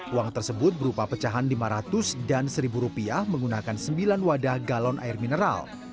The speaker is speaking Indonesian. uang tersebut berupa pecahan lima ratus dan seribu rupiah menggunakan sembilan wadah galon air mineral